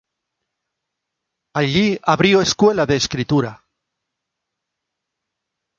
Allí abrió escuela de escritura.